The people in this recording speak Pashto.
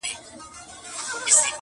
هم ښکاري ؤ هم جنګي ؤ هم غښتلی,